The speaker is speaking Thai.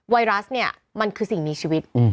ไวรัสเนี่ยมันคือสิ่งมีชีวิต